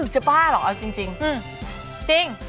จะบ้าหรอเอาจริง